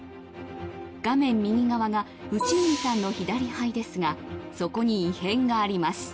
画面右側が内海さんの左肺ですがそこに異変があります。